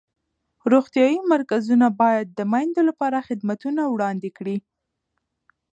روغتیایي مرکزونه باید د میندو لپاره خدمتونه وړاندې کړي.